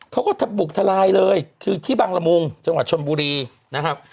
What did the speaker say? เขาก็บุกทลายเลยคือที่บังละมุงจังหวัดชนบุรีนะครับ